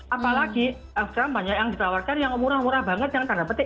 apalagi sekarang banyak yang ditawarkan yang murah murah banget yang tanda petik